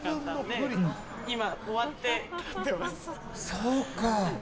そうか。